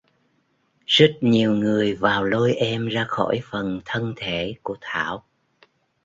Rất nhiều người vào lôi em ra khỏi phần thân thể của thảo